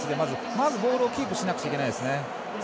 まずボールをキープしなくちゃいけないですね。